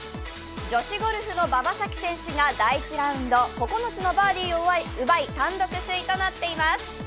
女子ゴルフの馬場咲希選手が第１ラウンド９つのバーディーを奪い単独首位となっています。